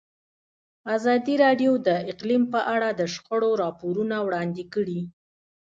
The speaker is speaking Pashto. ازادي راډیو د اقلیم په اړه د شخړو راپورونه وړاندې کړي.